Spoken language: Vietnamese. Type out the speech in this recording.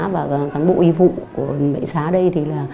và cán bộ y vụ của bệnh xá đây